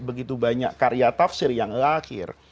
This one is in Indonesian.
begitu banyak karya tafsir yang lahir